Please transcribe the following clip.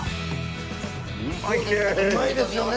うまいですよね。